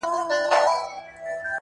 • وجدان ورو ورو مري دننه تل..